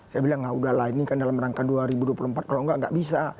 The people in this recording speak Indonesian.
saya bilang ya sudah lah ini kan dalam rangka dua ribu dua puluh empat kalau tidak tidak bisa